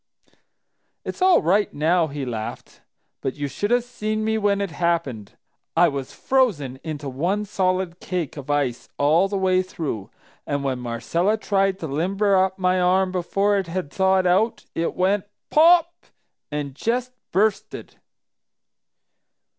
"It's all right now!" he laughed. "But you should have seen me when it happened! I was frozen into one solid cake of ice all the way through, and when Marcella tried to limber up my arm before it had thawed out, it went, 'Pop!' and just bursted.